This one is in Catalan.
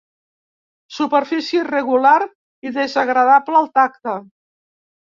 Superfície irregular i desagradable al tacte.